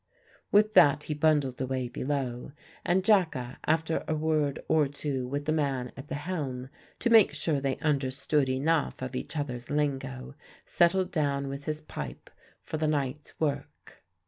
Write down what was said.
With that he bundled away below, and Jacka, after a word or two with the man at the helm, to make sure they understood enough of each other's lingo, settled down with his pipe for the night's work.